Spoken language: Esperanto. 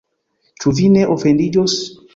Ĉu vi ne ofendiĝos?